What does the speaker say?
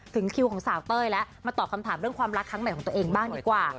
ถึงคิวของสาวเต้ยแล้วมาตอบคำถามเรื่องความรักครั้งใหม่ของตัวเองบ้างดีกว่า